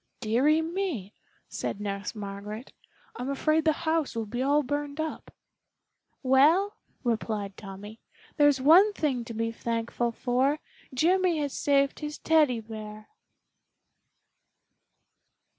"Dearie me!" said Nurse Margaret, "I'm afraid the house will be all burned up." "Well," replied Tommy, "there's one thing to be thankful for, Jimmy has saved his Teddy bear."